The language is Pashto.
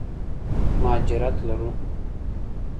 مهاجرت لرو.